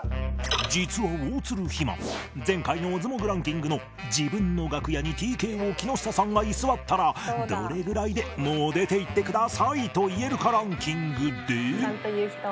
実は大鶴肥満前回の『オズモグランキング』の自分の楽屋に ＴＫＯ 木下さんが居座ったらどれぐらいで「もう出て行ってください」と言えるかランキングで